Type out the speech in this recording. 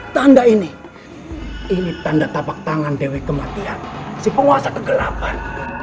tanda ini ini tanda tapak tangan dewi kematian si penguasa kegelapan